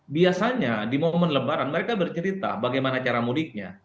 biasanya di momen lebaran mereka bercerita bagaimana cara mudiknya